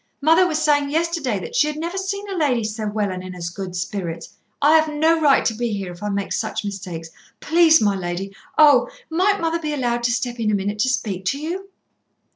Mother was saying yesterday that she had never seen a lady so well and in as good spirits. I have no right to be here if I make such mistakes. Please, my lady oh! might mother be allowed to step in a minute to speak to you?"